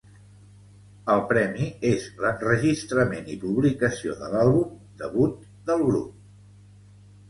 El premi és l'enregistrament i publicació de l'àlbum debut del grup.